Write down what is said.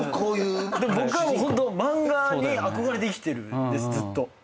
僕はホント漫画に憧れて生きてるんですずっと。